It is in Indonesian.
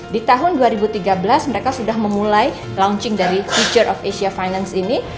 di tahun dua ribu tiga belas mereka sudah memulai launching dari future of asia finance ini